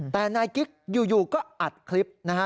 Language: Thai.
แต่นายกิ๊กอยู่ก็อัดคลิปนะฮะ